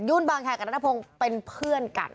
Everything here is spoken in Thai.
บางแคร์กับนัทพงศ์เป็นเพื่อนกัน